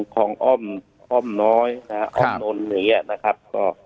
คองอ้อมน้อยอ้อมนลอย่างเงี้ยนะครับ